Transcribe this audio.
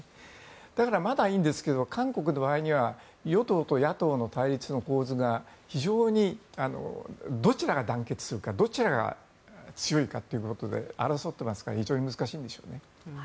だからまだいいんですけど韓国の場合には与党と野党の対立の構図が非常に、どちらが団結するかどちらが強いかということで争っていますから非常に難しいんでしょうね。